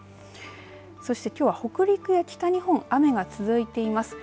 そしてきょうは北陸や北日本雨が続いています。